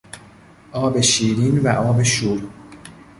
آب شیرین و آب شور